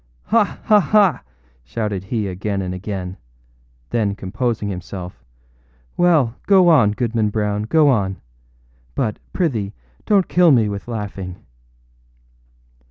âHa! ha! ha!â shouted he again and again; then composing himself, âWell, go on, Goodman Brown, go on; but, prithee, donât kill me with laughing.